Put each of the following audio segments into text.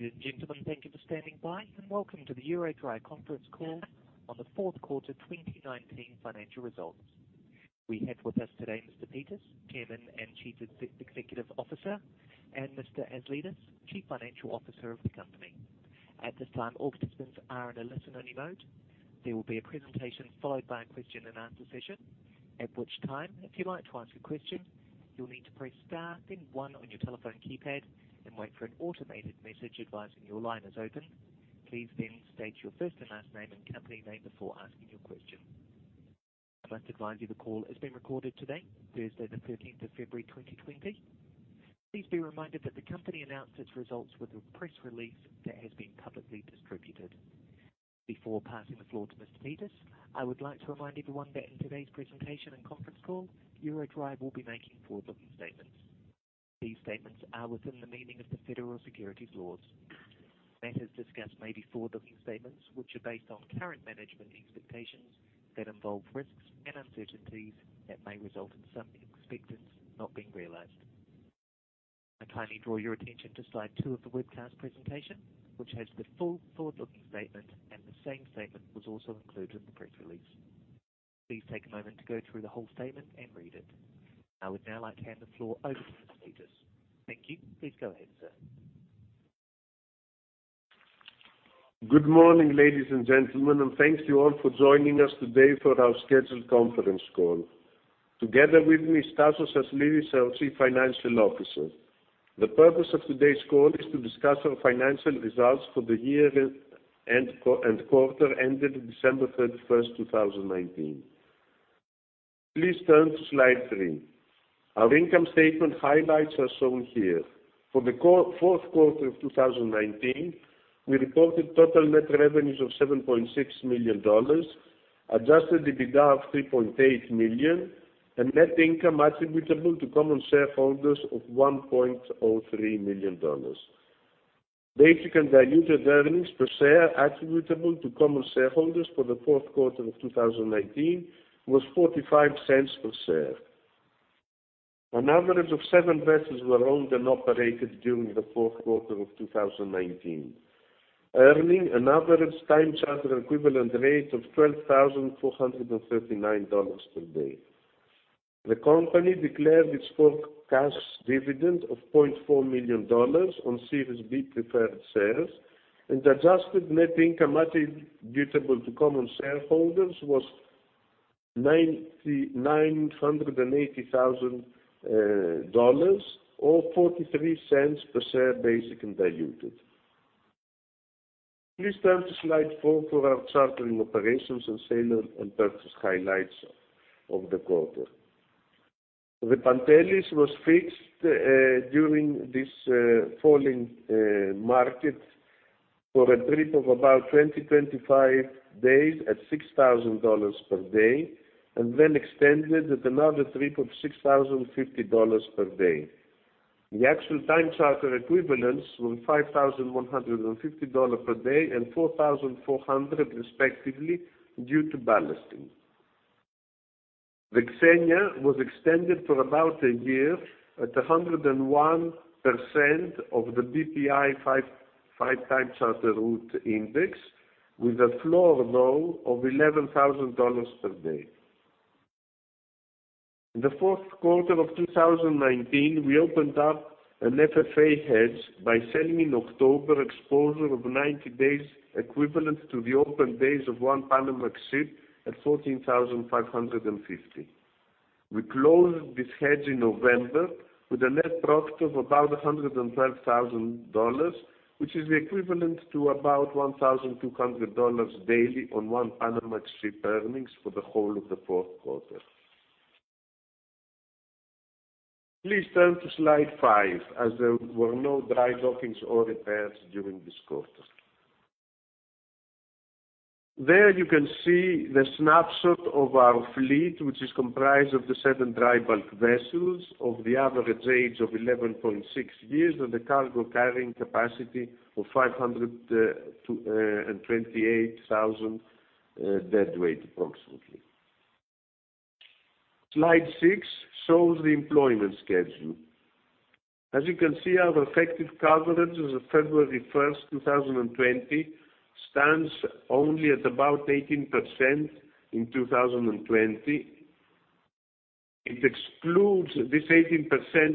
Ladies and gentlemen, thank you for standing by, and welcome to the EuroDry conference call on the fourth quarter 2019 financial results. We have with us today Mr. Pittas, Chairman and Chief Executive Officer, and Mr. Aslidis, Chief Financial Officer of the company. At this time, all participants are in a listen-only mode. There will be a presentation followed by a question-and-answer session. If you'd like to ask a question, you'll need to press star, then one on your telephone keypad and wait for an automated message advising your line is open. Please then state your first and last name and company name before asking your question. I must advise you the call is being recorded today, Thursday the 13th of February 2020. Please be reminded that the company announced its results with a press release that has been publicly distributed. Before passing the floor to Mr. Pittas, I would like to remind everyone that in today's presentation and conference call, EuroDry will be making forward-looking statements. These statements are within the meaning of the Federal Securities Laws. Matters discussed may be forward-looking statements, which are based on current management expectations that involve risks and uncertainties that may result in some expectants not being realized. I kindly draw your attention to slide two of the webcast presentation, which has the full forward-looking statement, and the same statement was also included in the press release. Please take a moment to go through the whole statement and read it. I would now like to hand the floor over to Mr. Pittas. Thank you. Please go ahead, sir. Good morning, ladies and gentlemen, and thank you all for joining us today for our scheduled conference call. Together with me is Tasos Aslidis, our Chief Financial Officer. The purpose of today's call is to discuss our financial results for the year and quarter ended December 31st, 2019. Please turn to slide three. Our income statement highlights are shown here. For the fourth quarter of 2019, we reported total net revenues of $7.6 million, adjusted EBITDA of $3.8 million, and net income attributable to common shareholders of $1.03 million. Basic and diluted earnings per share attributable to common shareholders for the fourth quarter of 2019 was $0.45 per share. An average of seven vessels were owned and operated during the fourth quarter of 2019, earning an average time charter equivalent rate of $12,439 per day. The company declared its fourth cash dividend of $0.4 million on Series B Preferred Shares, and adjusted net income attributable to common shareholders was $980,000, or $0.43 per share basic and diluted. Please turn to slide four for our chartering operations and sale and purchase highlights of the quarter. The Pantelis was fixed during this falling market for a trip of about 20-25 days at $6,000 per day, and then extended at another trip of $6,050 per day. The actual time charter equivalents were $5,150 per day and $4,400 respectively due to ballasting. The Xenia was extended for about a year at 101% of the BPI 5TC route index, with a floor though of $11,000 per day. In the fourth quarter of 2019, we opened up an FFA hedge by selling in October exposure of 90 days equivalent to the open days of one Panamax ship at 14,550. We closed this hedge in November with a net profit of about $112,000, which is the equivalent to about $1,200 daily on one Panamax ship earnings for the whole of the fourth quarter. Please turn to slide five, as there were no dry dockings or repairs during this quarter. There you can see the snapshot of our fleet, which is comprised of the seven dry bulk vessels of the average age of 11.6 years and a cargo carrying capacity of 528,000 deadweight approximately. Slide six shows the employment schedule. As you can see, our effective coverage as of February 1st, 2020, stands only at about 18% in 2020. This 18%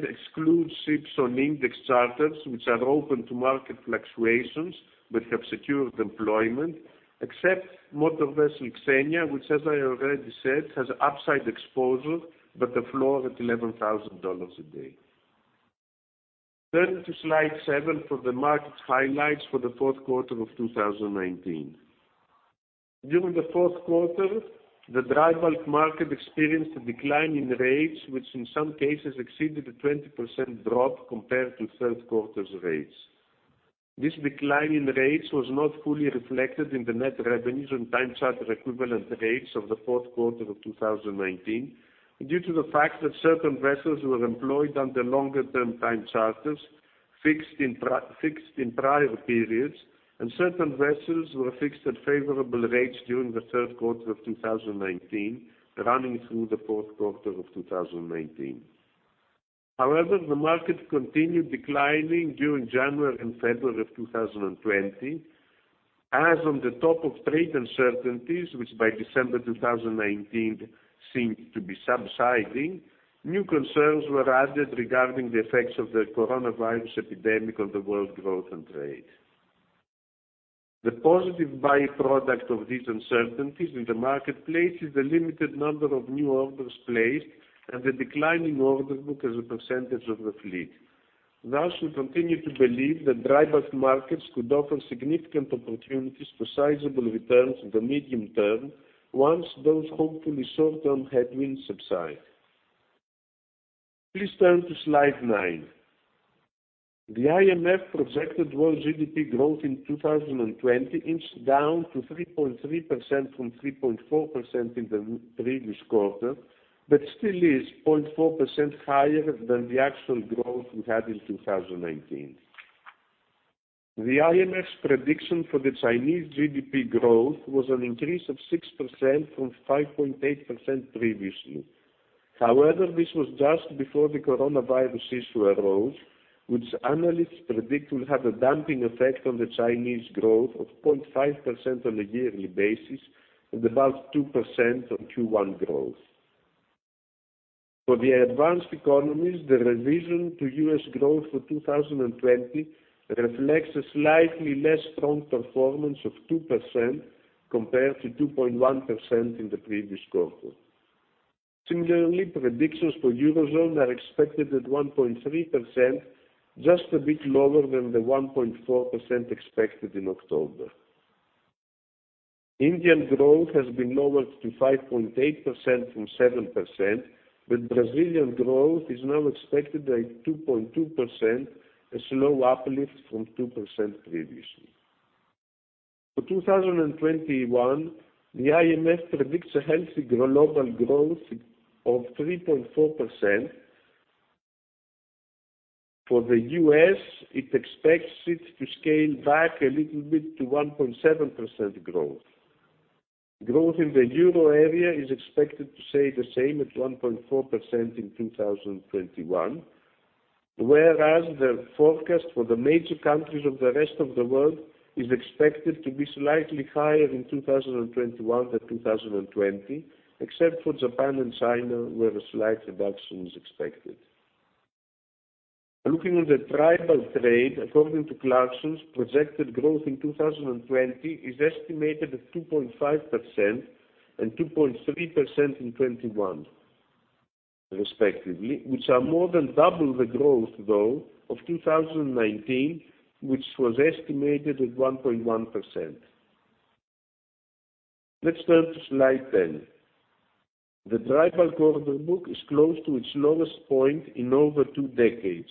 excludes ships on index charters, which are open to market fluctuations but have secured employment, except motor vessel Xenia, which as I already said, has upside exposure, but the floor at $11,000 a day. Turn to slide seven for the market highlights for the fourth quarter of 2019. During the fourth quarter, the dry bulk market experienced a decline in rates, which in some cases exceeded a 20% drop compared to third quarter's rates. This decline in rates was not fully reflected in the net revenues on time charter equivalent rates of the fourth quarter of 2019 due to the fact that certain vessels were employed under longer-term time charters fixed in prior periods, and certain vessels were fixed at favorable rates during the third quarter of 2019, running through the fourth quarter of 2019. The market continued declining during January and February of 2020, as on the top of trade uncertainties, which by December 2019 seemed to be subsiding, new concerns were added regarding the effects of the coronavirus epidemic on the world growth and trade. The positive byproduct of these uncertainties in the marketplace is the limited number of new orders placed and the declining order book as a percentage of the fleet. We continue to believe that dry bulk markets could offer significant opportunities for sizable returns in the medium-term, once those hopefully short-term headwinds subside. Please turn to slide nine. The IMF projected world GDP growth in 2020 inched down to 3.3% from 3.4% in the previous quarter, but still is 0.4% higher than the actual growth we had in 2019. The IMF's prediction for the Chinese GDP growth was an increase of 6% from 5.8% previously. This was just before the coronavirus issue arose, which analysts predict will have a damping effect on the Chinese growth of 0.5% on a yearly basis and about 2% on Q1 growth. For the advanced economies, the revision to U.S. growth for 2020 reflects a slightly less strong performance of 2% compared to 2.1% in the previous quarter. Similarly, predictions for Eurozone are expected at 1.3%, just a bit lower than the 1.4% expected in October. Indian growth has been lowered to 5.8% from 7%, but Brazilian growth is now expected at 2.2%, a slow uplift from 2% previously. For 2021, the IMF predicts a healthy global growth of 3.4%. For the U.S., it expects it to scale back a little bit to 1.7% growth. Growth in the Euro area is expected to stay the same at 1.4% in 2021, whereas the forecast for the major countries of the rest of the world is expected to be slightly higher in 2021 than 2020, except for Japan and China, where a slight reduction is expected. Looking at the dry bulk trade, according to Clarksons, projected growth in 2020 is estimated at 2.5% and 2.3% in 2021 respectively, which are more than double the growth, though, of 2019, which was estimated at 1.1%. Let's turn to slide 10. The dry bulk order book is close to its lowest point in over two decades,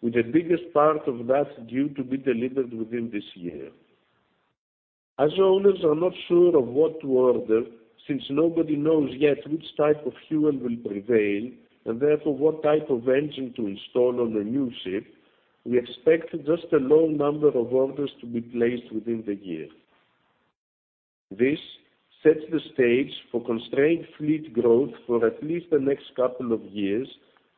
with the biggest part of that due to be delivered within this year. As owners are not sure of what to order, since nobody knows yet which type of fuel will prevail, and therefore what type of engine to install on a new ship, we expect just a low number of orders to be placed within the year. This sets the stage for constrained fleet growth for at least the next couple of years,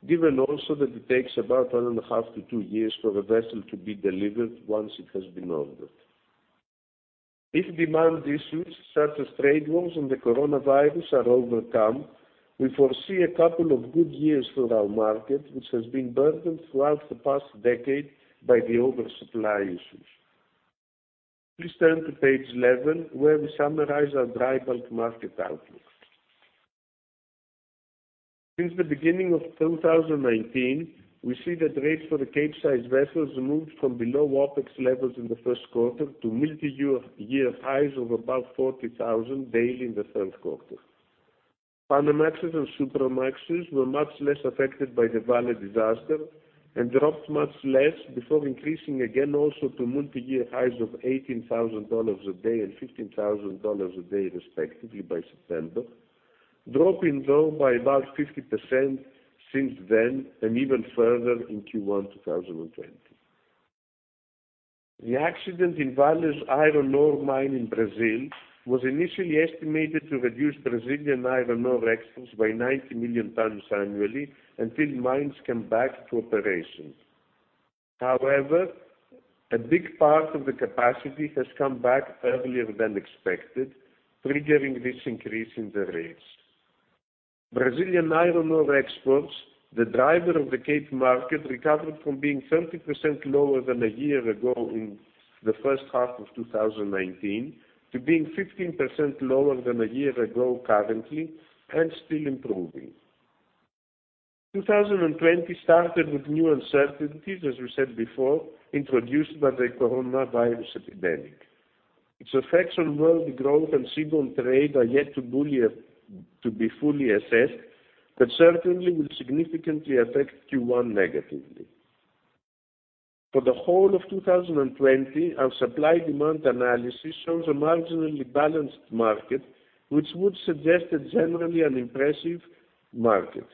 given also that it takes about one and a half to two years for a vessel to be delivered once it has been ordered. If demand issues such as trade wars and the coronavirus are overcome, we foresee a couple of good years for our market, which has been burdened throughout the past decade by the oversupply issues. Please turn to page 11, where we summarize our dry bulk market outlook. Since the beginning of 2019, we see that rates for the Capesize vessels moved from below OpEx levels in the first quarter to multi-year highs of about $40,000 daily in the third quarter. Panamax and Supramax were much less affected by the Vale disaster and dropped much less before increasing again also to multi-year highs of $18,000 a day and $15,000 a day, respectively, by September, dropping though by about 50% since then and even further in Q1 2020. The accident in Vale's iron ore mine in Brazil was initially estimated to reduce Brazilian iron ore exports by 90 million tons annually until mines come back to operation. However, a big part of the capacity has come back earlier than expected, triggering this increase in the rates. Brazilian iron ore exports, the driver of the Cape market, recovered from being 30% lower than a year ago in the first half of 2019 to being 15% lower than a year ago currently and still improving. 2020 started with new uncertainties, as we said before, introduced by the coronavirus epidemic. Its effects on world growth and seaborne trade are yet to be fully assessed, but certainly will significantly affect Q1 negatively. For the whole of 2020, our supply-demand analysis shows a marginally balanced market, which would suggest generally an impressive market.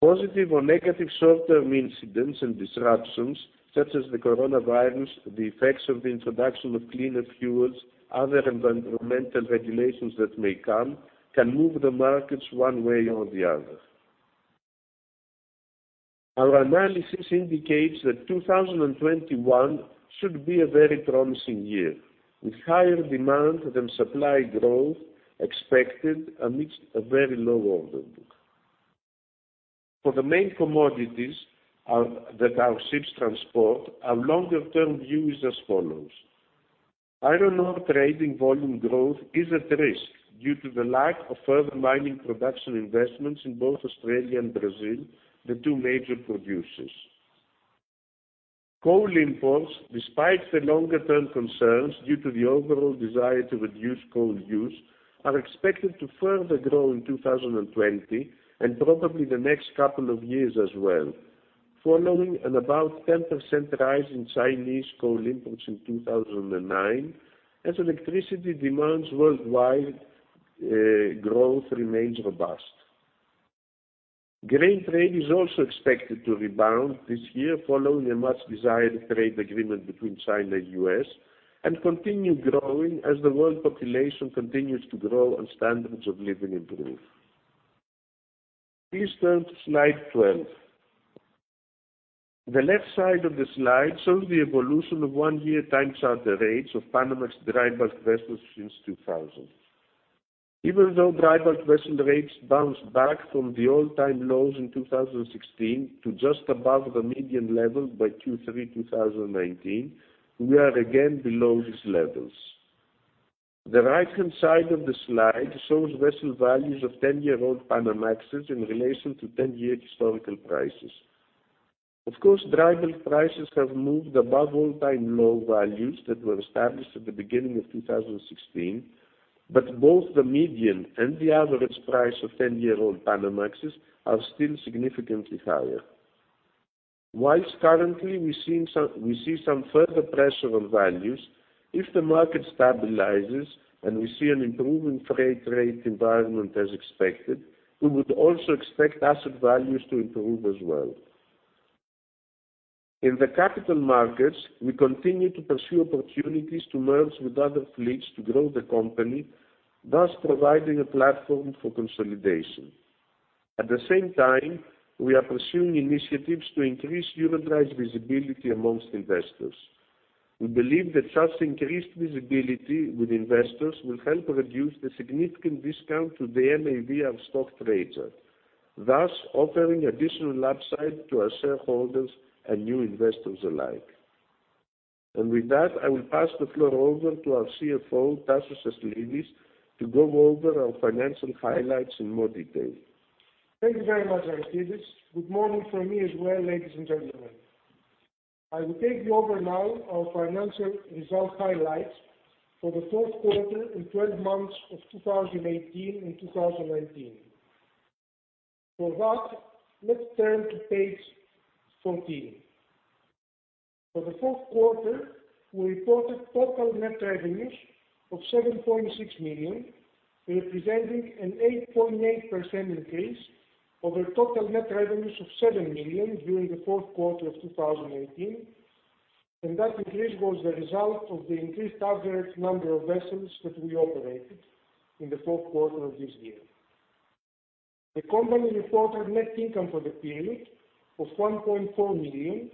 Positive or negative short-term incidents and disruptions, such as the coronavirus, the effects of the introduction of cleaner fuels, other environmental regulations that may come, can move the markets one way or the other. Our analysis indicates that 2021 should be a very promising year, with higher demand than supply growth expected amidst a very low order book. For the main commodities that our ships transport, our longer-term view is as follows. Iron ore trading volume growth is at risk due to the lack of further mining production investments in both Australia and Brazil, the two major producers. Coal imports, despite the longer-term concerns due to the overall desire to reduce coal use, are expected to further grow in 2020 and probably the next couple of years as well. Following an about 10% rise in Chinese coal imports in 2009, as electricity demands worldwide growth remains robust. Grain trade is also expected to rebound this year following a much-desired trade agreement between China and U.S., and continue growing as the world population continues to grow and standards of living improve. Please turn to slide 12. The left side of the slide shows the evolution of one year time charter rates of Panamax dry bulk vessels since 2000. Even though dry bulk vessel rates bounced back from the all-time lows in 2016 to just above the median level by Q3 2019, we are again below these levels. The right-hand side of the slide shows vessel values of 10-year-old Panamaxes in relation to 10-year historical prices. Dry bulk prices have moved above all-time low values that were established at the beginning of 2016, but both the median and the average price of 10-year-old Panamaxes are still significantly higher. Currently we see some further pressure on values, if the market stabilizes and we see an improving freight rate environment as expected, we would also expect asset values to improve as well. In the capital markets, we continue to pursue opportunities to merge with other fleets to grow the company, thus providing a platform for consolidation. At the same time, we are pursuing initiatives to increase EuroDry's visibility amongst investors. We believe that such increased visibility with investors will help reduce the significant discount to the NAV our stock trades at, thus offering additional upside to our shareholders and new investors alike. With that, I will pass the floor over to our CFO, Tasos Aslidis, to go over our financial highlights in more detail. Thank you very much, Aristides. Good morning from me as well, ladies and gentlemen. I will take you over now our financial result highlights for the fourth quarter and 12 months of 2018 and 2019. For that, let's turn to page 14. For the fourth quarter, we reported total net revenues of $7.6 million, representing an 8.8% increase over total net revenues of $7 million during the fourth quarter of 2018. That increase was the result of the increased average number of vessels that we operated in the fourth quarter of this year. The company reported net income for the period of $1.4 million,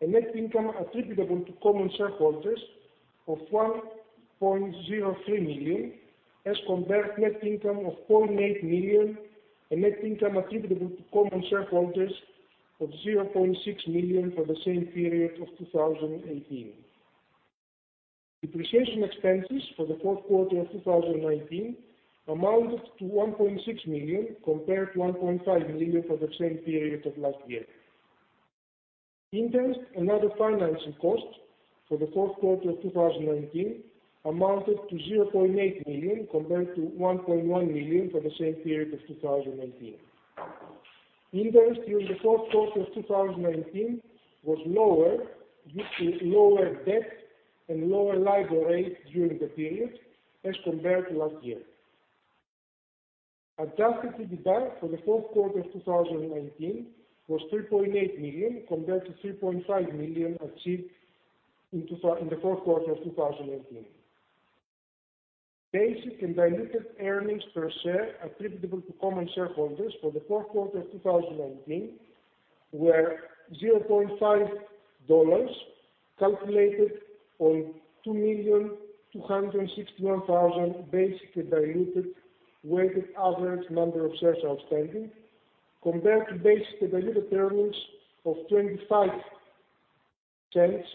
and net income attributable to common shareholders of $1.03 million, as compared net income of $0.8 million, and net income attributable to common shareholders of $0.6 million for the same period of 2018. Depreciation expenses for the fourth quarter of 2019 amounted to $1.6 million, compared to $1.5 million for the same period of last year. Interest and other financing costs for the fourth quarter of 2019 amounted to $0.8 million, compared to $1.1 million for the same period of 2018. Interest during the fourth quarter of 2019 was lower due to lower debt and lower LIBOR rate during the period as compared to last year. Adjusted EBITDA for the fourth quarter of 2019 was $3.8 million, compared to $3.5 million achieved in the fourth quarter of 2018. Basic and diluted earnings per share attributable to common shareholders for the fourth quarter 2019 were $0.5, calculated on 2,261,000 basic and diluted weighted average number of shares outstanding, compared to basic and diluted earnings of $0.25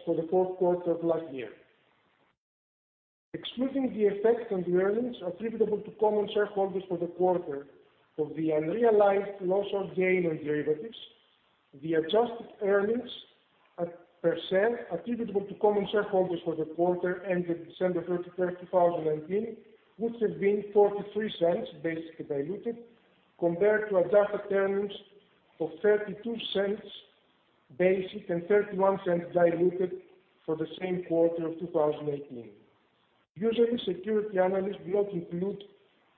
for the fourth quarter of last year. Excluding the effect on the earnings attributable to common shareholders for the quarter of the unrealized loss or gain on derivatives, the adjusted earnings per share attributable to common shareholders for the quarter ended December 31st, 2019, would have been $0.43 basic and diluted compared to adjusted earnings of $0.32 basic and $0.31 diluted for the same quarter of 2018. Usually, security analysts do not include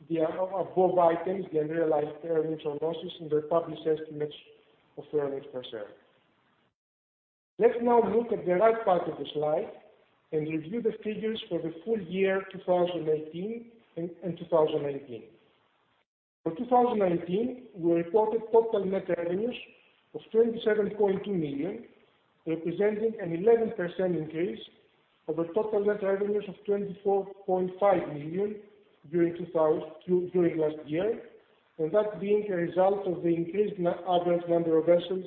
the above items, the unrealized earnings or losses in their published estimates of earnings per share. Let's now look at the right part of the slide and review the figures for the full-year 2018 and 2019. For 2019, we reported total net revenues of $27.2 million, representing an 11% increase over total net revenues of $24.5 million during last year, and that being a result of the increased average number of vessels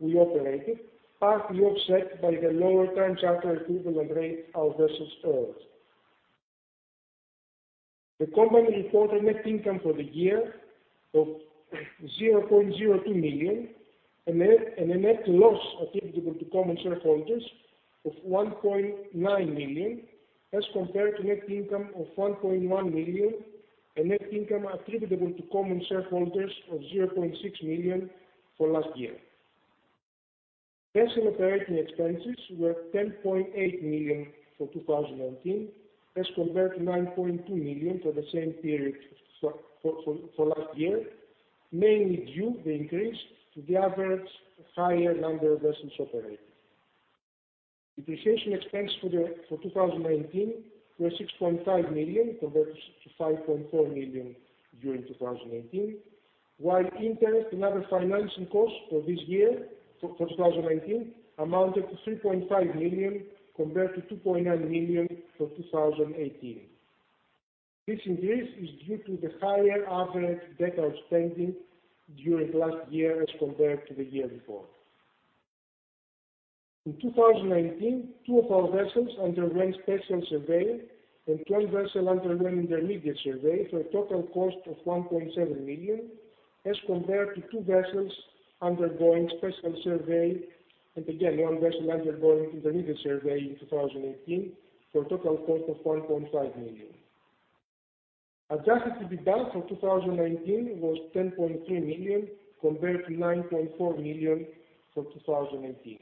we operated, partly offset by the lower time charter equivalent rate our vessels earned. The company reported net income for the year of $0.02 million and a net loss attributable to common shareholders of $1.9 million as compared to net income of $1.1 million and net income attributable to common shareholders of $0.6 million for last year. Vessel operating expenses were $10.8 million for 2019 as compared to $9.2 million for the same period for last year, mainly due, the increase, to the average higher number of vessels operated. Depreciation expense for 2019 were $6.5 million compared to $5.4 million during 2018, while interest and other financing costs for this year, for 2019, amounted to $3.5 million compared to $2.9 million for 2018. This increase is due to the higher average debt outstanding during last year as compared to the year before. In 2019, two of our vessels underwent special survey and one vessel underwent intermediate survey for a total cost of $1.7 million as compared to two vessels undergoing special survey and again, one vessel undergoing intermediate survey in 2018 for a total cost of $1.5 million. Adjusted EBITDA for 2019 was $10.3 million compared to $9.4 million for 2018.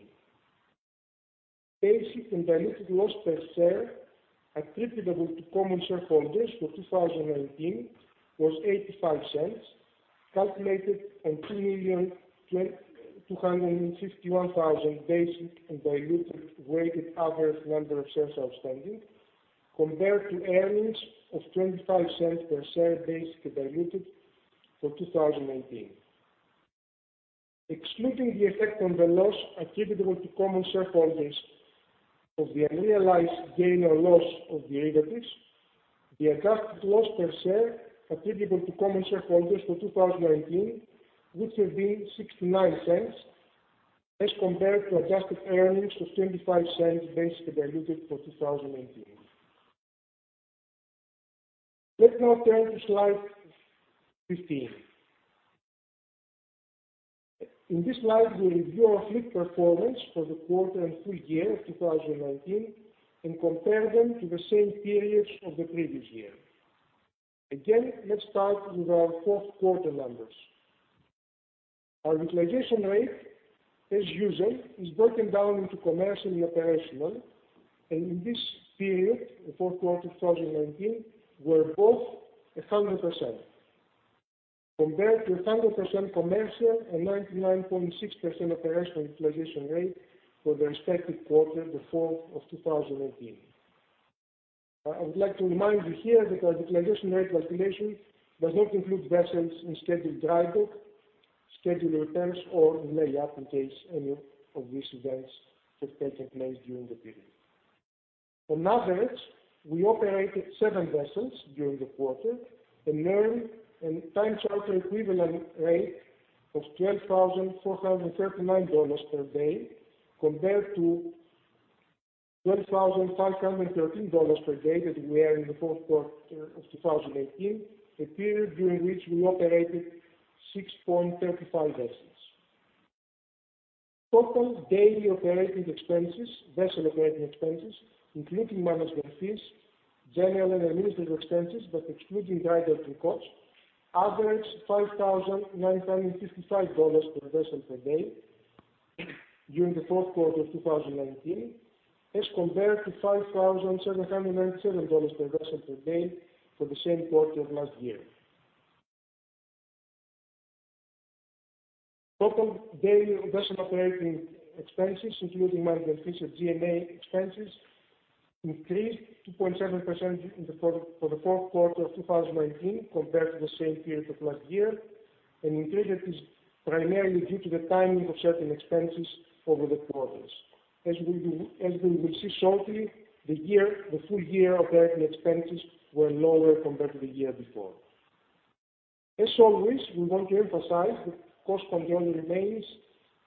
Basic and diluted loss per share attributable to common shareholders for 2019 was $0.85, calculated on 2,251,000 basic and diluted weighted average number of shares outstanding, compared to earnings of $0.25 per share basic and diluted for 2018. Excluding the effect on the loss attributable to common shareholders of the unrealized gain or loss of derivatives, the adjusted loss per share attributable to common shareholders for 2019 would have been $0.69 as compared to adjusted earnings of $0.25 basic and diluted for 2018. Let's now turn to slide 15. In this slide, we review our fleet performance for the quarter and full-year of 2019 and compare them to the same periods of the previous year. Again, let's start with our fourth quarter numbers. Our utilization rate, as usual, is broken down into commercial and operational, and in this period, the fourth quarter 2019, were both 100%, compared to 100% commercial and 99.6% operational utilization rate for the respective quarter, the fourth of 2018. I would like to remind you here that our utilization rate calculation does not include vessels in scheduled drydock, scheduled repairs, or in layup in case any of these events have taken place during the period. On average, we operated seven vessels during the quarter and earned a time charter equivalent rate of $12,439 per day compared to $12,513 per day that we earned in the fourth quarter of 2018, a period during which we operated 6.35 vessels. Total daily operating expenses, vessel operating expenses, including management fees, general and administrative expenses, but excluding drydocking costs, averaged $5,955 per vessel per day during the fourth quarter of 2019, as compared to $5,797 per vessel per day for the same quarter of last year. Total daily vessel operating expenses, including management fees and G&A expenses, increased 2.7% for the fourth quarter of 2019 compared to the same period of last year, an increase that is primarily due to the timing of certain expenses over the quarters. As we will see shortly, the full-year operating expenses were lower compared to the year before. As always, we want to emphasize that cost control remains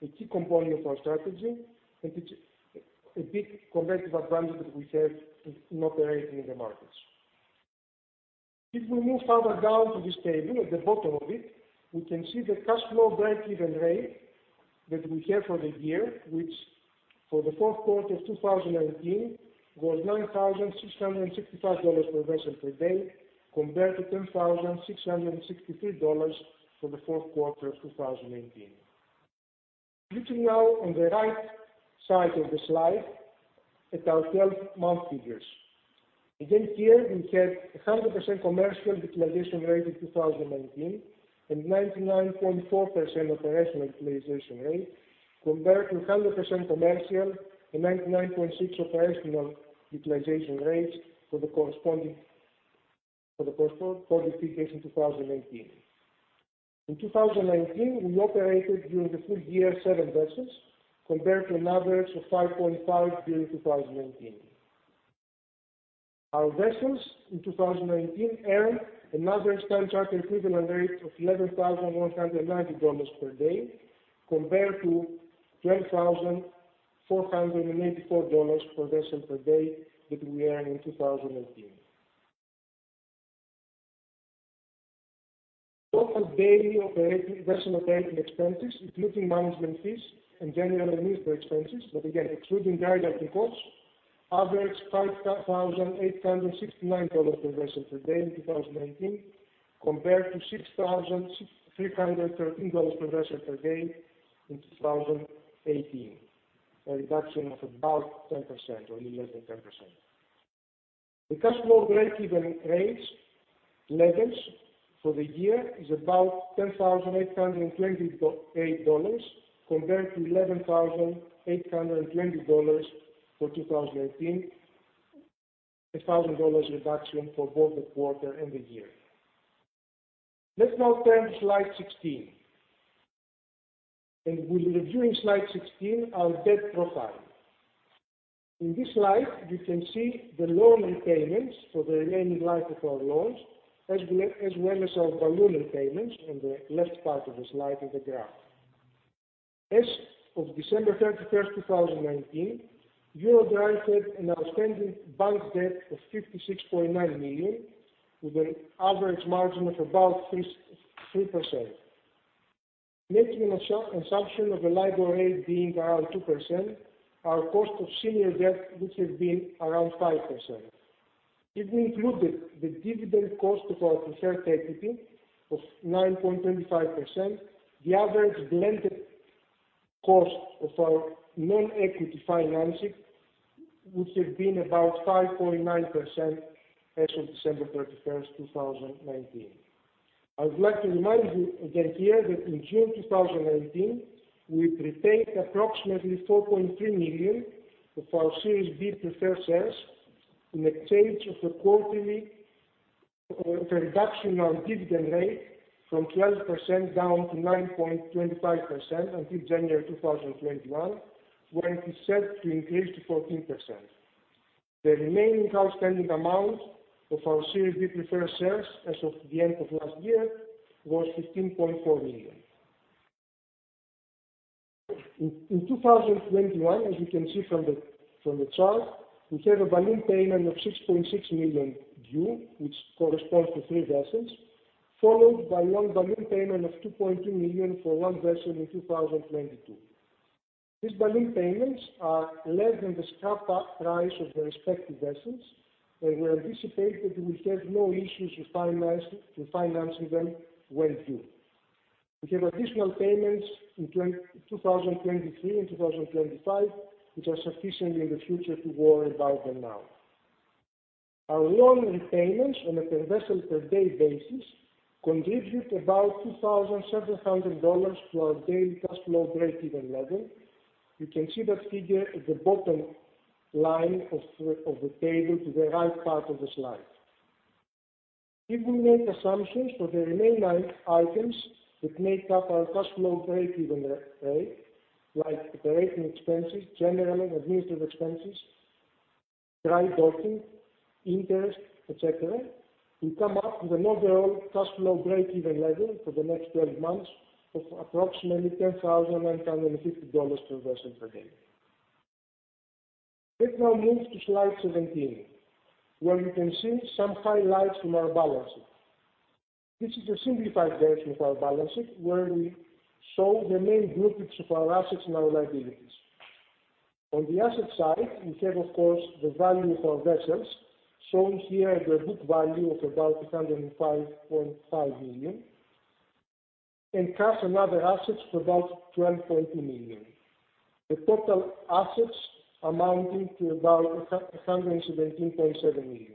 a key component of our strategy, and it's a big competitive advantage that we have in operating in the markets. If we move further down to this table, at the bottom of it, we can see the cash flow breakeven rate that we have for the year, which for the fourth quarter of 2019 was $9,665 per vessel per day compared to $10,663 for the fourth quarter of 2018. Looking now on the right side of the slide at our 12-month figures. Again, here we have 100% commercial utilization rate in 2019 and 99.4% operational utilization rate compared to 100% commercial and 99.6 operational utilization rates for the corresponding period in 2018. In 2019, we operated during the full-year seven vessels, compared to an average of 5.5 during 2018. Our vessels in 2019 earned an average time charter equivalent rate of $11,190 per day, compared to $12,484 per vessel per day that we earned in 2018. Total daily vessel operating expenses, including management fees and general and administrative expenses, but again excluding dry docking costs, average $5,869 per vessel per day in 2019, compared to $6,313 per vessel per day in 2018. A reduction of about 10%, or a little less than 10%. The cash flow breakeven levels for the year is about $10,828, compared to $11,820 for 2018, $1,000 reduction for both the quarter and the year. Let's now turn to slide 16, and we'll review in slide 16 our debt profile. In this slide, you can see the loan repayments for the remaining life of our loans, as well as our balloon repayments on the left part of the slide of the graph. As of December 31st, 2019, EuroDry had an outstanding bank debt of $56.9 million, with an average margin of about 3%. Making an assumption of the LIBOR rate being around 2%, our cost of senior debt would have been around 5%. If we included the dividend cost of our preferred equity of 9.25%, the average blended cost of our non-equity financing would have been about 5.9% as of December 31st, 2019. I would like to remind you again here that in June 2018, we repurchased approximately $4.3 million of our Series B Preferred Shares in exchange of a reduction of dividend rate from 12% down to 9.25% until January 2021, when it is set to increase to 14%. The remaining outstanding amount of our Series B Preferred Shares as of the end of last year was $15.4 million. In 2021, as you can see from the chart, we have a balloon payment of $6.6 million due, which corresponds to three vessels, followed by one balloon payment of $2.2 million for one vessel in 2022. These balloon payments are less than the scrap price of the respective vessels, and we anticipate that we will have no issues with financing them when due. We have additional payments in 2023 and 2025, which are sufficiently in the future to worry about them now. Our loan repayments on a per vessel per day basis contribute about $2,700 to our daily cash flow breakeven level. You can see that figure at the bottom line of the table to the right part of the slide. If we make assumptions for the remaining items that make up our cash flow breakeven rate, like operating expenses, general and administrative expenses, dry docking, interest, et cetera, we come up with an overall cash flow breakeven level for the next 12 months of approximately $10,950 per vessel per day. Let's now move to slide 17, where you can see some highlights from our balance sheet. This is a simplified version of our balance sheet, where we show the main groupings of our assets and our liabilities. On the asset side, we have, of course, the value of our vessels, shown here at the book value of about $105.5 million, and cash and other assets for about $12.2 million. The total assets amounting to about $117.7 million.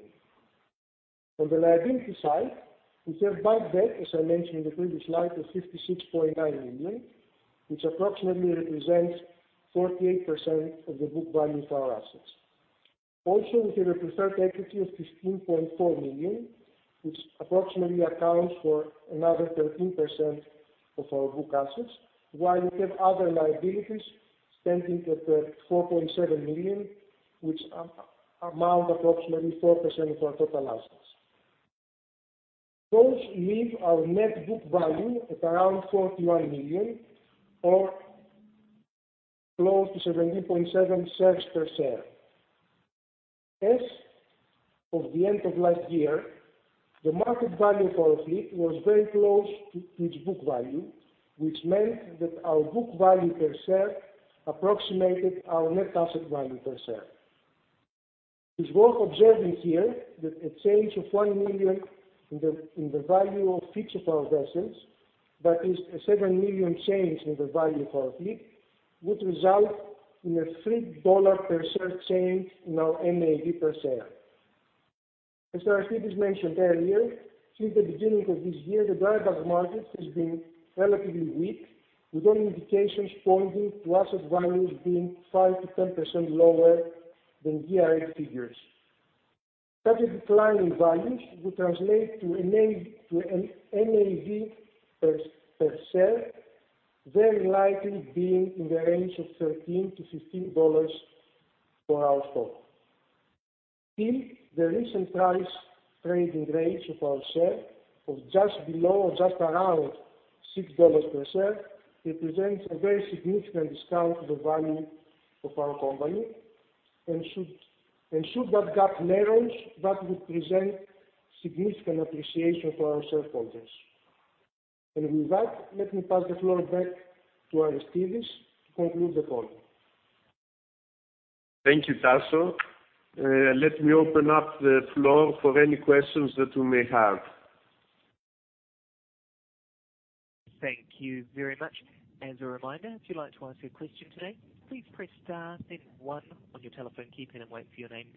On the liability side, we have bank debt, as I mentioned in the previous slide, of $56.9 million, which approximately represents 48% of the book value of our assets. We have preferred equity of $15.4 million, which approximately accounts for another 13% of our book assets, while we have other liabilities standing at $4.7 million, which amount approximately 4% of our total assets. Those leave our net book value at around $41 million or close to $17.7 shares per share. As of the end of last year, the market value of our fleet was very close to its book value, which meant that our book value per share approximated our net asset value per share. It's worth observing here that a change of $1 million in the value of each of our vessels. That is a $7 million change in the value of our fleet, which results in a $3 per share change in our NAV per share. As Aristides mentioned earlier, since the beginning of this year, the dry bulk market has been relatively weak, with all indications pointing to asset values being 5%-10% lower than year-end figures. Such a decline in values would translate to an NAV per share very likely being in the range of $13-$15 for our stock. The recent price trading rates of our share of just below or just around $6 per share represents a very significant discount to the value of our company, and should that gap narrows, that would present significant appreciation for our shareholders. With that, let me pass the floor back to Aristides to conclude the call. Thank you, Tasos. Let me open up the floor for any questions that you may have. Thank you very much. As a reminder, if you'd like to ask your question today, please press star then one on your telephone keypad, and wait for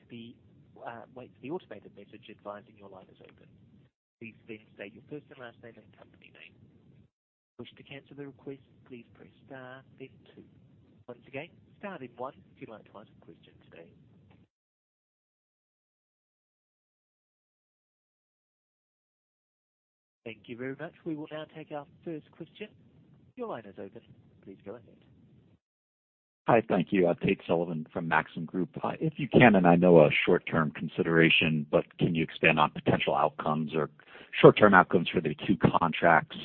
the automated message advising your line is open. Please then state your first and last name and company name. Wish to cancel the request, please press star then two. Once again, star then one if you'd like to ask a question today. Thank you very much. We will now take our first question. Your line is open. Please go ahead. Hi. Thank you. Tate Sullivan from Maxim Group. If you can, and I know a short-term consideration, but can you expand on potential outcomes or short-term outcomes for the two contracts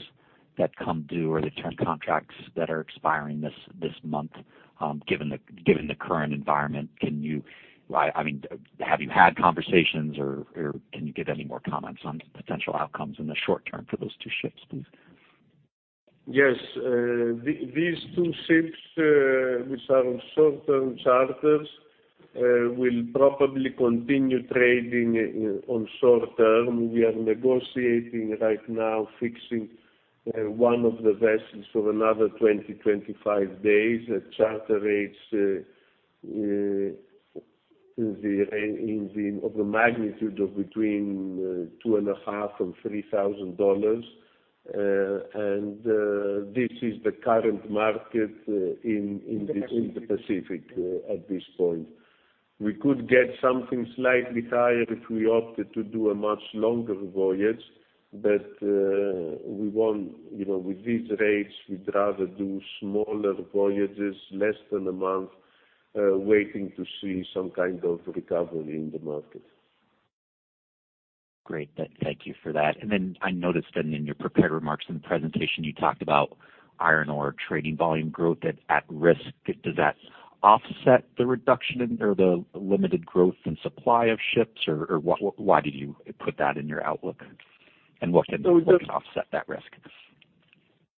that come due or the term contracts that are expiring this month given the current environment? Have you had conversations or can you give any more comments on potential outcomes in the short-term for those two ships please? Yes. These two ships, which are on short-term charters, will probably continue trading on short-term. We are negotiating right now fixing one of the vessels for another 20, 25 days at charter rates of a magnitude of between $2,500 and $3,000. This is the current market in the Pacific at this point. We could get something slightly higher if we opted to do a much longer voyage. With these rates, we'd rather do smaller voyages, less than a month, waiting to see some kind of recovery in the market. Great. Thank you for that. I noticed that in your prepared remarks in the presentation, you talked about iron ore trading volume growth at risk. Does that offset the reduction or the limited growth in supply of ships or why did you put that in your outlook? What can offset that risk?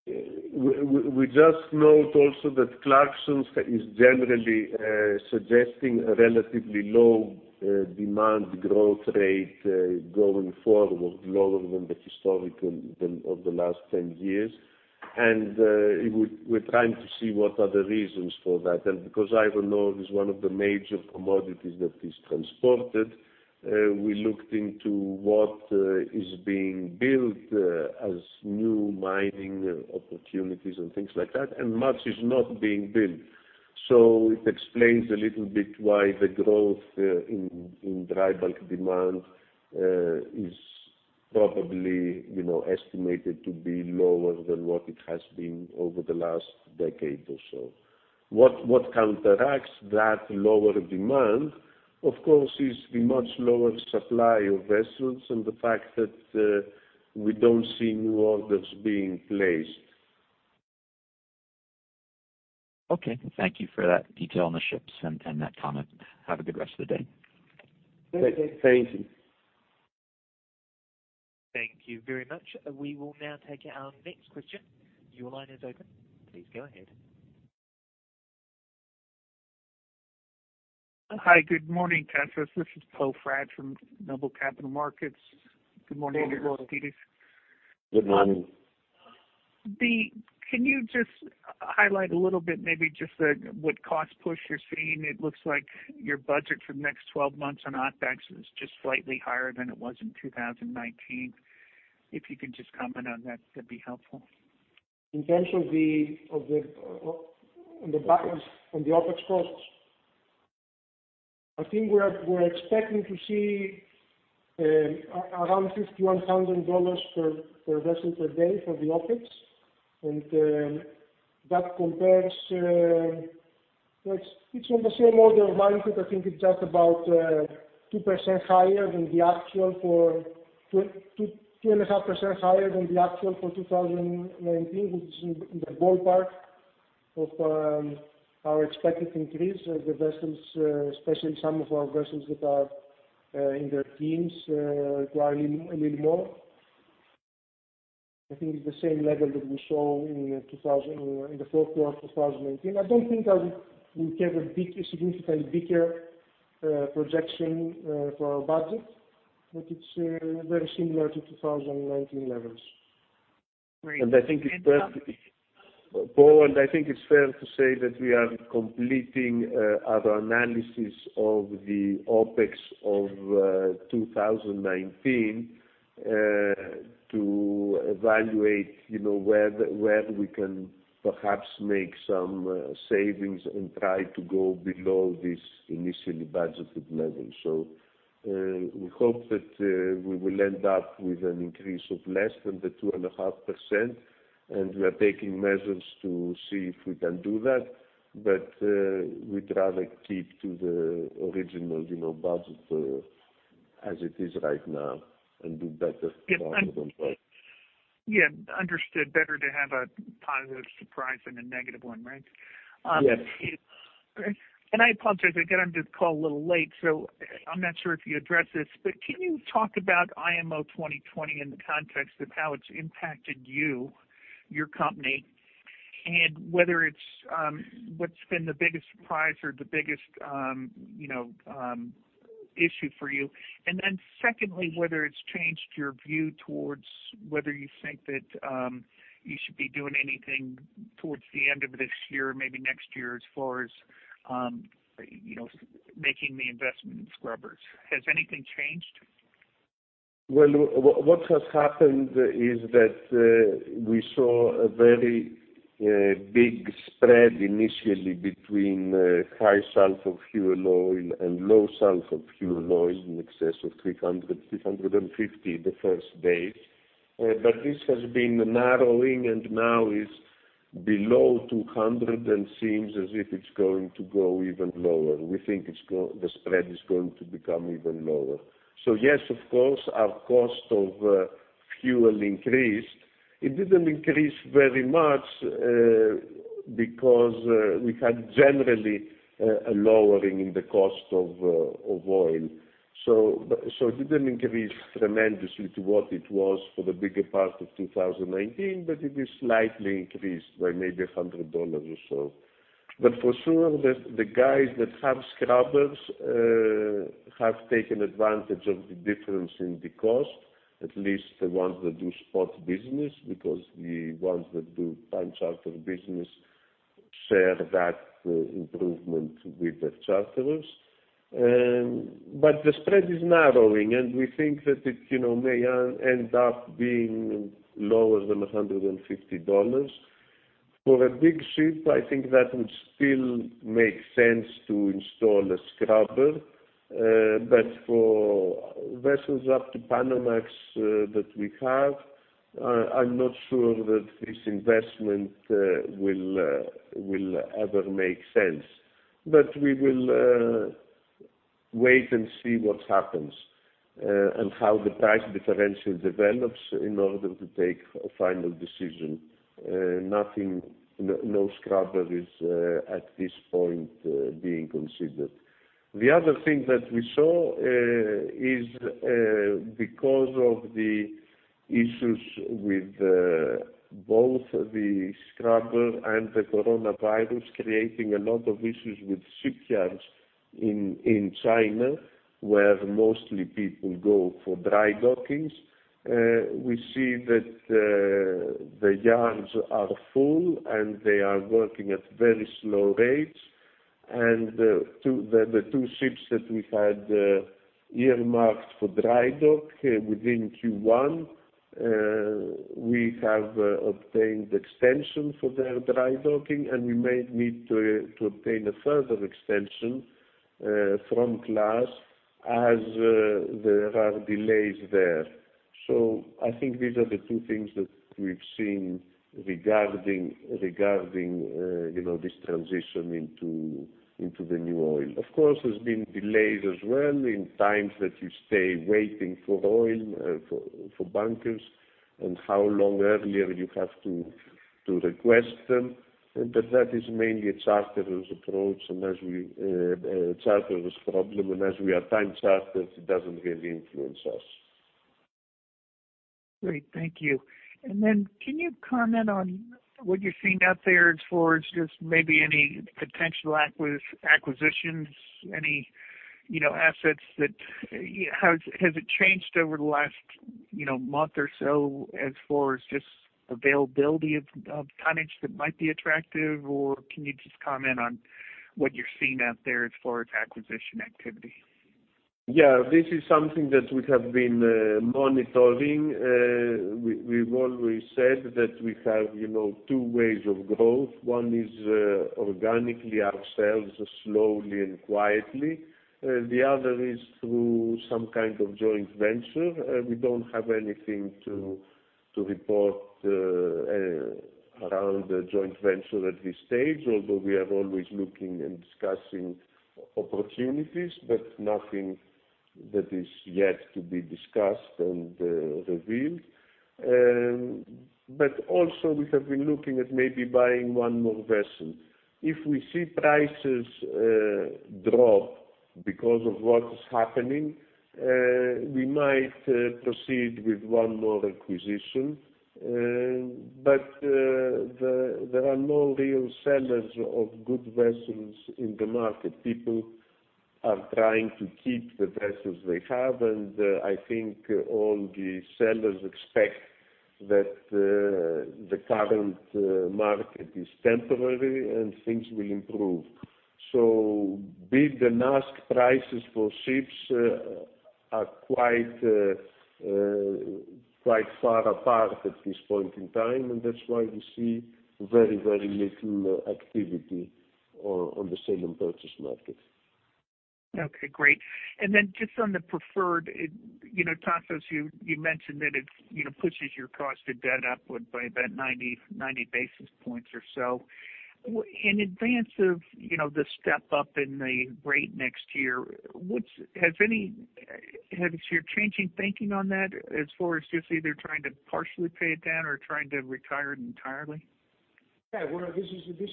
We just note also that Clarksons is generally suggesting a relatively low demand growth rate going forward, lower than the historic of the last 10 years. We're trying to see what are the reasons for that. Because iron ore is one of the major commodities that is transported, we looked into what is being built as new mining opportunities and things like that, and much is not being built. It explains a little bit why the growth in dry bulk demand is probably estimated to be lower than what it has been over the last decade or so. What counteracts that lower demand, of course, is the much lower supply of vessels and the fact that we don't see new orders being placed. Okay. Thank you for that detail on the ships and that comment. Have a good rest of the day. Thank you. Thank you very much. We will now take our next question. Your line is open. Please go ahead. Hi. Good morning, Tasos. This is Poe Fratt from Noble Capital Markets. Good morning, Aristides. Good morning. Can you just highlight a little bit maybe just what cost push you're seeing? It looks like your budget for the next 12 months on OpEx is just slightly higher than it was in 2019. If you could just comment on that would be helpful. In terms of the OpEx costs, I think we're expecting to see around $51,000 per vessel per day for the OpEx. That compares, it's on the same order of magnitude, I think it's just about 2.5% higher than the actual for 2019, which is in the ballpark of our expected increase of the vessels, especially some of our vessels that are in their teens, requiring a little more. I think it's the same level that we saw in the fourth quarter of 2019. I don't think I will give a significant bigger projection for our budget. It's very similar to 2019 levels. Great. Poe, I think it's fair to say that we are completing our analysis of the OpEx of 2019 to evaluate where we can perhaps make some savings and try to go below this initially budgeted level. We hope that we will end up with an increase of less than the 2.5%, and we are taking measures to see if we can do that. We'd rather keep to the original budget as it is right now and do better going forward. Yeah, understood. Better to have a positive surprise than a negative one, right? Yes. I apologize again, I'm just calling a little late, so I'm not sure if you addressed this, but can you talk about IMO 2020 in the context of how it's impacted you, your company, and what's been the biggest surprise or the biggest issue for you? Secondly, whether it's changed your view towards whether you think that you should be doing anything towards the end of this year, maybe next year, as far as making the investment in scrubbers. Has anything changed? Well, what has happened is that we saw a very big spread initially between high sulfur fuel oil and low sulfur fuel oil in excess of $300, $350 the first days. This has been narrowing and now is below $200 and seems as if it's going to go even lower. We think the spread is going to become even lower. Yes, of course, our cost of fuel increased. It didn't increase very much because we had generally a lowering in the cost of oil. It didn't increase tremendously to what it was for the bigger part of 2019, but it is slightly increased by maybe $100 or so. For sure, the guys that have scrubbers have taken advantage of the difference in the cost, at least the ones that do spot business, because the ones that do time charter business share that improvement with the charterers. The spread is narrowing, and we think that it may end up being lower than $150. For a big ship, I think that would still make sense to install a scrubber. For vessels up to Panamax that we have, I'm not sure that this investment will ever make sense. We will wait and see what happens, and how the price differential develops in order to take a final decision. No scrubber is at this point being considered. The other thing that we saw is because of the issues with both the scrubber and the coronavirus creating a lot of issues with shipyards in China, where mostly people go for dry dockings. We see that the yards are full, and they are working at very slow rates. The two ships that we had earmarked for dry dock within Q1, we have obtained extension for their dry docking, and we may need to obtain a further extension from class as there are delays there. I think these are the two things that we've seen regarding this transition into the new oil. Of course, there's been delays as well in times that you stay waiting for oil, for bunkers, and how long earlier you have to request them. That is mainly a charterer's problem, and as we are time charterers, it doesn't really influence us. Great. Thank you. Can you comment on what you're seeing out there as far as just maybe any potential acquisitions, any assets that have changed over the last month or so as far as just availability of tonnage that might be attractive? Can you just comment on what you're seeing out there as far as acquisition activity? Yeah, this is something that we have been monitoring. We've always said that we have two ways of growth. One is organically ourselves, slowly and quietly. The other is through some kind of joint venture. We don't have anything to report around the joint venture at this stage, although we are always looking and discussing opportunities. Nothing that is yet to be discussed and revealed. Also, we have been looking at maybe buying one more vessel. If we see prices drop because of what is happening, we might proceed with one more acquisition. There are no real sellers of good vessels in the market. Are trying to keep the vessels they have. I think all the sellers expect that the current market is temporary and things will improve. Bid and ask prices for ships are quite far apart at this point in time. That's why you see very little activity on the sale and purchase market. Okay, great. Just on the preferred, Tasos, you mentioned that it pushes your cost of debt upward by about 90 basis points or so. In advance of the step up in the rate next year, have you changed your thinking on that as far as just either trying to partially pay it down or trying to retire it entirely? Yeah. Well, this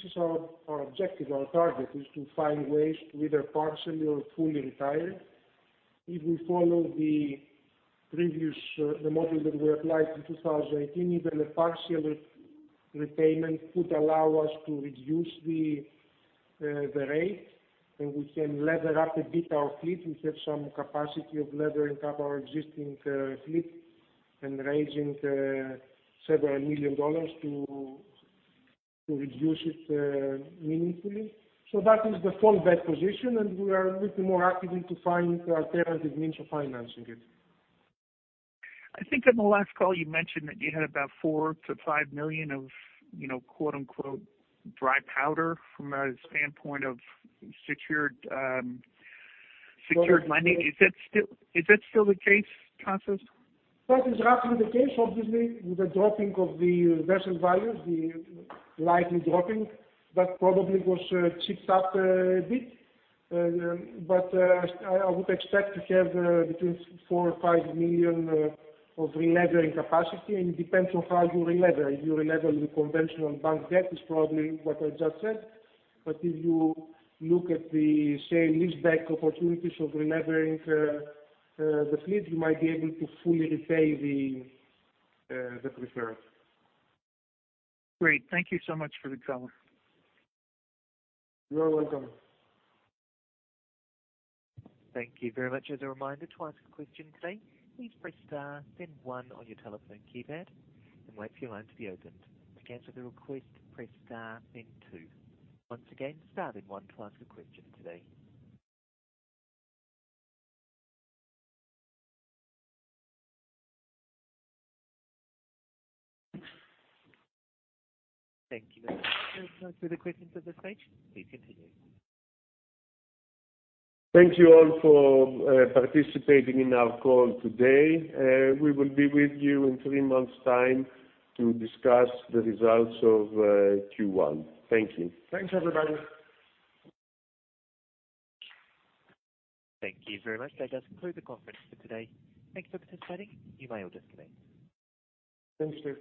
is our objective, our target is to find ways to either partially or fully retire. If we follow the model that we applied in 2018, even a partial repayment would allow us to reduce the rate, and we can lever up a bit our fleet. We have some capacity of levering up our existing fleet and raising several million USD to reduce it meaningfully. That is the full debt position, and we are looking more actively to find alternative means of financing it. I think on the last call, you mentioned that you had about $4 million-$5 million of "dry powder" from a standpoint of secured money. Is that still the case, Tasos? That is roughly the case. Obviously, with the dropping of the vessel values, the slight dropping, that probably was chipped up a bit. I would expect to have between $4 million or $5 million of relevering capacity, and it depends on how you relever. If you relever with conventional bank debt, it's probably what I just said. If you look at the sale and leaseback opportunities of relevering the fleet, you might be able to fully repay the preferred. Great. Thank you so much for the call. You are welcome. Thank you very much. As a reminder, to ask a question today, please press star then one on your telephone keypad and wait for your line to be opened. To cancel the request, press star then two. Once again, star then one to ask a question today. Thank you. There are no further questions at this stage. Please continue. Thank you all for participating in our call today. We will be with you in three months' time to discuss the results of Q1. Thank you. Thanks, everybody. Thank you very much. That does conclude the conference for today. Thank you for participating. You may all disconnect. Thanks to you.